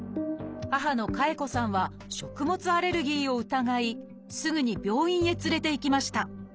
母の夏絵子さんは食物アレルギーを疑いすぐに病院へ連れて行きました。